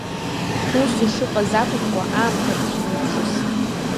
Ус исыҟаз акәымкәа, аамҭа рацәаны ибжьыст.